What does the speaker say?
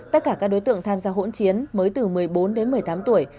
tất cả các đối tượng tham gia hỗn chiến mới từ một mươi bốn đến một mươi tám tuổi